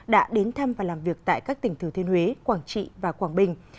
đã đến thăm và làm việc tại các tỉnh thừa thiên huế quảng trị và quảng bình